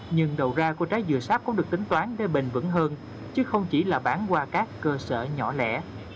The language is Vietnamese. nhưng đầu ra của trái dừa sáp cũng được tính toán để bền vững hơn chứ không chỉ là bán qua các cơ sở nhỏ lẻ